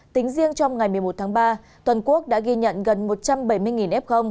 tính riêng trong ngày một mươi một tháng ba toàn quốc đã ghi nhận gần một trăm bảy mươi f